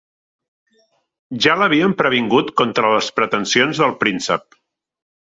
Ja l'havien previngut contra les pretensions del príncep.